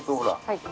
はい。